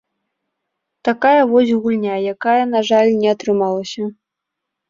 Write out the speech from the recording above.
Такая вось гульня, якая, на жаль, не атрымалася.